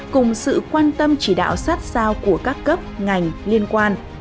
cùng sự quan tâm chỉ đạo sát sao của các cấp ngành liên quan